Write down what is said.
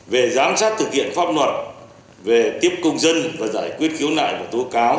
về giám sát thực hiện pháp luật về tiếp công dân và giải quyết cứu nại và tối cao